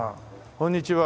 こんにちは。